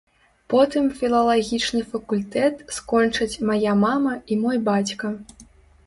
Потым філалагічны факультэт скончаць мая мама і мой бацька.